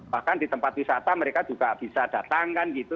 bahkan di tempat wisata mereka juga bisa datangkan gitu